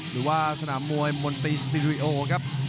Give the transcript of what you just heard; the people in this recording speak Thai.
หรือว่าสนามมวยมนตรีสตูดิโอครับ